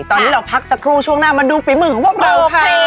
ตอนนี้เราพักสักครู่ช่วงหน้ามาดูฝีมือของพวกเราค่ะ